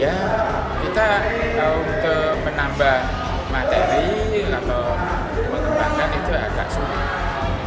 ya kita untuk menambah materi atau mengembangkan itu agak sulit